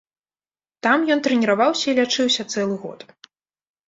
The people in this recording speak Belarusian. Там ён трэніраваўся і лячыўся цэлы год.